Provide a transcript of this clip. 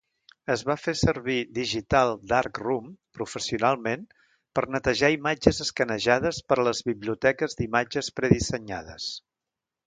Es va fer servir Digital Darkroom professionalment per netejar imatges escanejades per a les biblioteques d'imatges predissenyades.